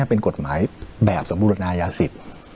เป็นกฎหมายแบบสมบูรณายาสิทธิ์